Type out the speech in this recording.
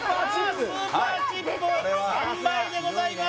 さあスーパーチップ３倍でございます